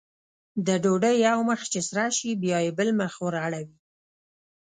د ډوډۍ یو مخ چې سره شي بیا یې بل مخ ور اړوي.